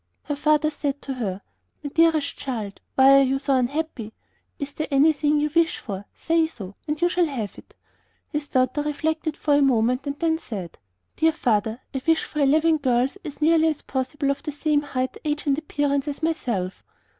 Her father said to her: 'My dearest child, why are you so unhappy? If there is anything you wish for, say so, and you shall have it.' His daughter reflected for a moment, and then said: 'Dear father, I wish for eleven girls as nearly as possible of the same height, age, and appearance as myself.